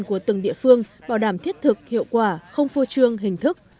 của từng địa phương bảo đảm thiết thực hiệu quả không phô trương hình thức